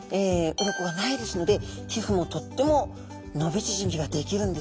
鱗がないですので皮膚もとっても伸び縮みができるんですね。